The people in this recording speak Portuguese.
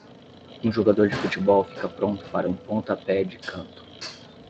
Um jogador de futebol fica pronto para um pontapé de canto.